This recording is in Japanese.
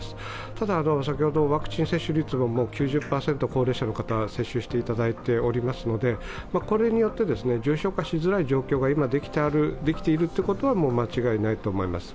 ただ、ワクチン接種率が９０％、高齢者の方、接種していただいておりますのでこれによって、重症化しづらい状況が今できているということはもう間違いないと思います。